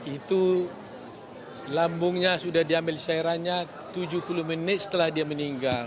itu lambungnya sudah diambil cairannya tujuh puluh menit setelah dia meninggal